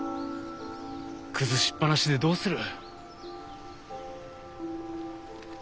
崩しっぱなしでどうする。